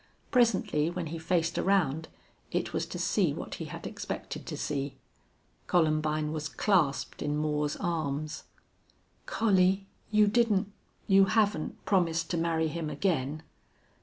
Presently, when he faced around, it was to see what he had expected to see. Columbine was clasped in Moore's arms. "Collie, you didn't you haven't promised to marry him again!"